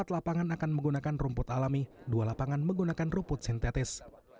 empat lapangan akan menggunakan rumput alami dua lapangan menggunakan rumput sintetis